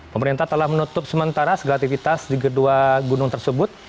pemerintah telah menutup sementara segala aktivitas di kedua gunung tersebut